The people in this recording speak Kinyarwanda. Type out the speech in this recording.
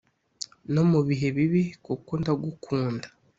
no mubihe Bibi kuko ndagukunda.